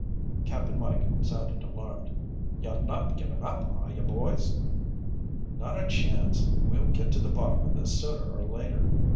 Cap'n Mike sounded alarmed. "You're not giving up, are you, boys?" "Not a chance. We'll get to the bottom of this sooner or later."